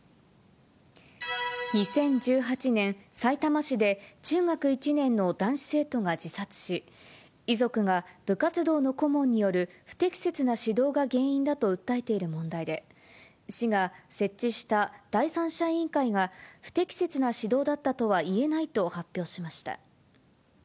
２０１８年、さいたま市で、中学１年の男子生徒が自殺し、遺族が部活動の顧問による不適切な指導が原因だと訴えている問題で、市が設置した第三者委員会が、不適切な指導だったとは言えないと発表しました。